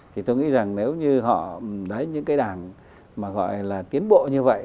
thì tôi nghĩ rằng nếu như họ đấy những cái đảng mà gọi là tiến bộ như vậy